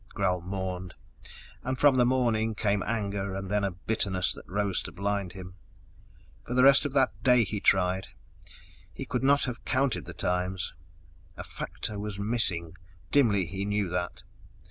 Gral mourned, and from the mourning came anger and then a bitterness that rose to blind him. For the rest of that day he tried he could not have counted the times. A factor was missing dimly he knew that.